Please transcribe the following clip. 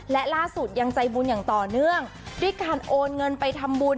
และล่าสุดยังใจบุญอย่างต่อเนื่องด้วยการโอนเงินไปทำบุญ